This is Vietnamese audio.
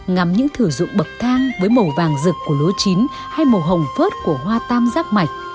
ngắm những thử dụng bậc thang với màu vàng rực của lúa chín hay màu hồng phớt của hoa tam giác mạch